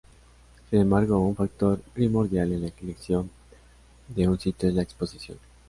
Sin embargo, un factor primordial en la elección de un sitio es la exposición.